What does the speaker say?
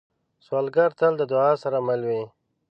سوالګر تل د دعا سره مل وي